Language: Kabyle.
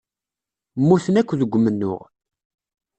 Mmuten akk deg umennuɣ.